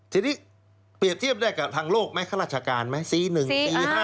ทีนี้เปรียบเทียบได้กับทางโลกไหมข้าราชการไหม